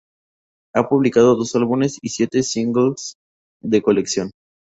Ha publicado dos álbumes y siete singles de colección.